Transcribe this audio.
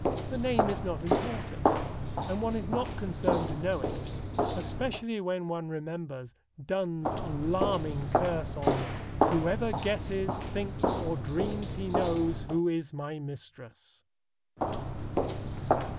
The name is not important, and one is not concerned to know it, especially when one remembers Donne's alarming curse on: Whoever guesses, thinks, or dreams he knows Who is my mistress.